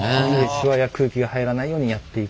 シワや空気が入らないようにやっていきます。